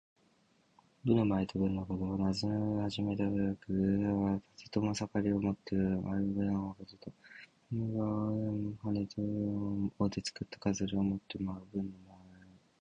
武の舞と文の舞のこと。夏の禹王が始めた舞楽。「干戚」はたてとまさかりを持って舞う、武の舞のこと。「羽旄」は雉の羽と旄牛の尾で作った飾りを持って舞う、文の舞の意。